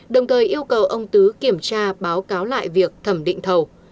đồng thời yêu cầu ông tứ kiểm tra báo cáo lại việc thẩm định thầu